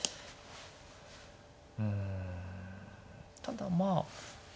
うんただまあ。